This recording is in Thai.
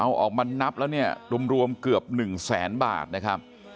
เอาออกมานับแล้วเนี่ยรวมเกือบ๑แสนบาทนะครับ